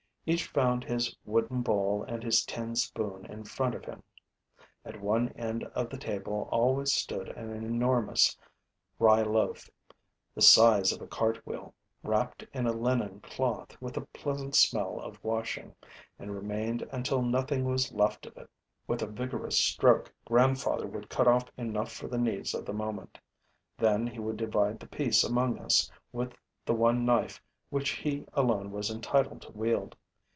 Each found his wooden bowl and his tin spoon in front of him. At one end of the table always stood an enormous rye loaf, the size of a cartwheel, wrapped in a linen cloth with a pleasant smell of washing, and remained until nothing was left of it. With a vigorous stroke, grandfather would cut off enough for the needs of the moment; then he would divide the piece among us with the one knife which he alone was entitled to wield.